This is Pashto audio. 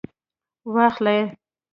واخلئ